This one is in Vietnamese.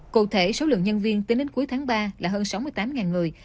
cụ thể số lượng nhân viên tính đến cuối tháng ba là hơn sáu mươi tám người